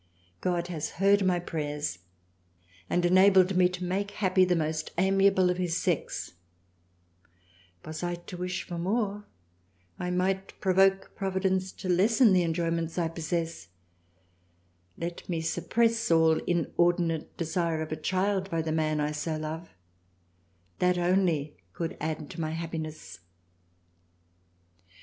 God has heard my Prayers and enabled me to make happy the most amiable of his Sex Was I to wish for more, I might provoke Providence to lessen the enjoyments I possess ; let me suppress all inordinate Desire of a Child by the man I so love, that only could add to my happiness.